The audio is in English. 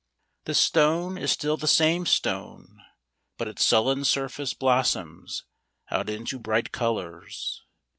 The stone is still the same stone ; but its sullen surface blossoms out into bright colours.